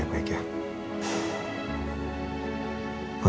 ya udah temenin papa